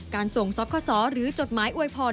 การ่ส่งซักขสอร์หรือจดหมายอวยพร